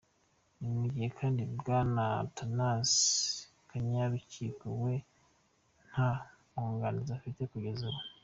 Ni mu gihe kandi Bwana Athanase Kanyarukiko we nta bwunganizi afite kugeza ubu.